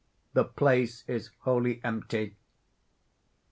The place is wholly empty.